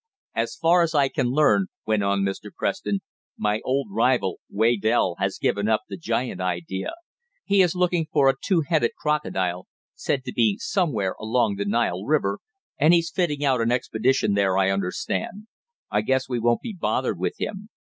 "As far as I can learn," went on Mr. Preston, "my old rival Waydell has given up the giant idea. He is looking for a two headed crocodile, said to be somewhere along the Nile river, and he's fitting out an expedition there I understand. I guess we won't be bothered with him.